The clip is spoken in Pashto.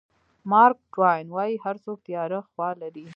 مارک ټواین وایي هر څوک تیاره خوا لري.